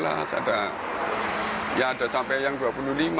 tapi sekarang cuma ada yang paling lima sepuluh gitu